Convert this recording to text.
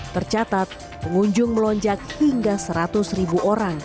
tercatat pengunjung melonjak hingga seratus ribu orang